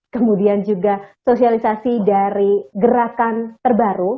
kemudian juga sosialisasi dari gerakan terbaru